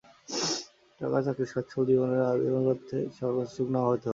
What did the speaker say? টাকা, চাকরি, সচ্ছল জীবনের আভিধানিক অর্থ সবার কাছে সুখ নাও হতে পারে।